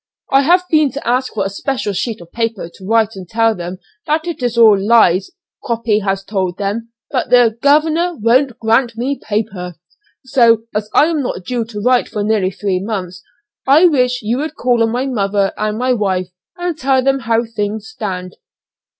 I have been to ask for a special sheet of paper to write and tell them that it is all lies Croppy has told them; but the governor won't grant me paper. So, as I am not due to write for nearly three months, I wish you would call on my mother and my wife, and tell them how things stand."